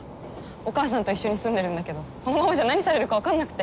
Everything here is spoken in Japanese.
お母さんと一緒に住んでるんだけどこのままじゃ何されるか分かんなくて。